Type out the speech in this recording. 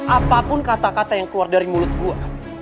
apapun kata kata yang keluar dari mulut gua